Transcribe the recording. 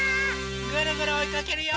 ぐるぐるおいかけるよ！